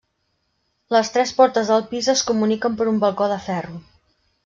Les tres portes del pis es comuniquen per un balcó de ferro.